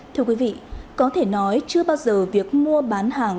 thưa quý vị có thể nói chưa bao giờ việc mua bán hàng